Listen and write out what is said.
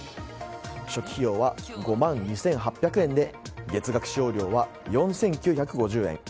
初期費用は５万２８００円で月額使用料は４９５０円。